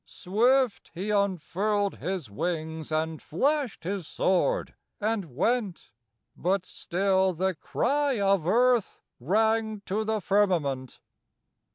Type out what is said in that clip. Swift he unfurl'd His wings and flasht his sword and went: But still the cry of Earth rang to the firmament.